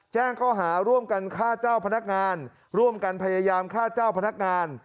แจ้งข้อหาร่วมกันฆ่าเจ้าพนักงานร่วมกันพยายามฆ่าเจ้าพนักงาน